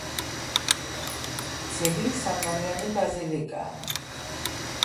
ძეგლი სამნავიანი ბაზილიკაა.